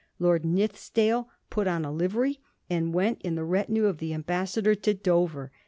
Lord Nithisdale put on a livery, and went in the retinue of the ambassador to Dover.